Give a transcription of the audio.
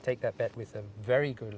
kita mengambil jangkaan yang mahal